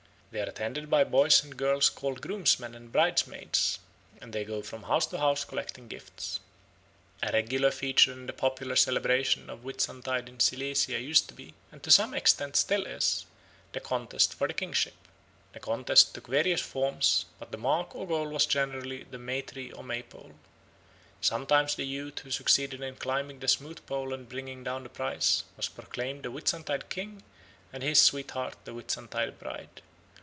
They are attended by boys and girls called groomsmen and bridesmaids, and they go from house to house collecting gifts. A regular feature in the popular celebration of Whitsuntide in Silesia used to be, and to some extent still is, the contest for the kingship. This contest took various forms, but the mark or goal was generally the May tree or May pole. Sometimes the youth who succeeded in climbing the smooth pole and bringing down the prize was proclaimed the Whitsuntide King and his sweetheart the Whitsuntide Bride.